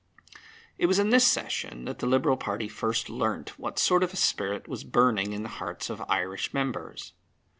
It was in this session that the Liberal party first learnt what sort of a spirit was burning in the hearts of Irish members.